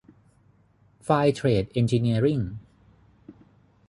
ไฟร์เทรดเอ็นจิเนียริ่ง